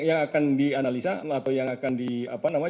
yang akan dianalisa atau yang akan di apa namanya